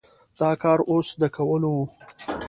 دا کار اوس د کولو و؟